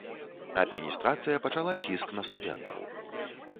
Адміністрацыя пачала ціск на студэнтаў.